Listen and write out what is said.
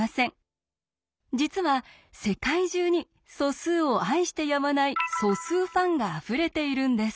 実は世界中に素数を愛してやまない素数ファンがあふれているんです。